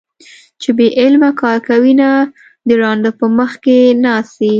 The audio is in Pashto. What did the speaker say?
چې بې علمه کار کوينه - د ړانده په مخ کې ناڅي